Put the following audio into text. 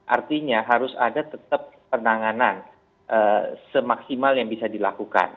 artinya harus ada tetap penanganan semaksimal yang bisa dilakukan